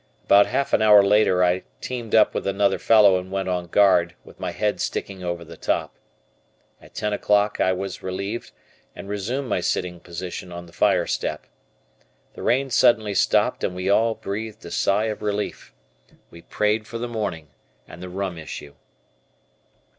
About half an hour later I teamed up with another fellow and went on guard with my head sticking over the top. At ten o'clock I was relieved and resumed my sitting position on the fire step. The rain suddenly stopped and we all breathed a sigh of relief. We prayed for the morning and the rum issue.